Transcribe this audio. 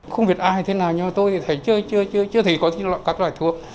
không biết ai thế nào nhưng mà tôi thì thấy chưa chưa chưa chưa chưa thấy có các loại thuốc